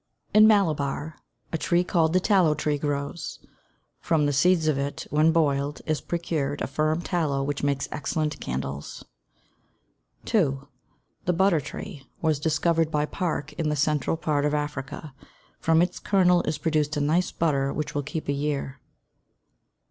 In Malabar, a tree called "the tallow tree" grows; from the seeds of it, when boiled, is procured a firm tallow which makes excellent candles. 2. The "butter tree" was discovered by Park in the central part of Africa; from its kernel is produced a nice butter which will keep a year.